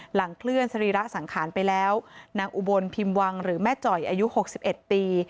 หลังเคลื่อนสรีระสังขารไปแล้วนางอุบลพิมพ์วังหรือแม่จ่อยอายุ๖๑ปี